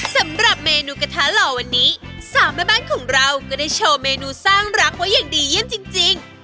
สำหรับเมนูกระทะหล่อวันนี้สามแม่บ้านของเราก็ได้โชว์เมนูสร้างรักไว้อย่างดีเยี่ยมจริง